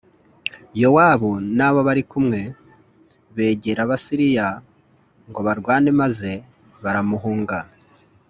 Yowabu n’abo bari kumwe begera Abasiriya ngo barwane maze baramuhunga.